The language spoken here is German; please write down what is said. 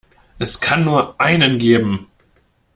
Es kann nur einen geben!